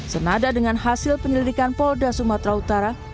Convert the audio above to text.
senada dengan hasil penyelidikan polda sumatera utara